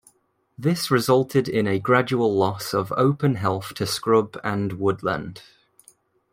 This resulted in a gradual loss of open heath to scrub and woodland.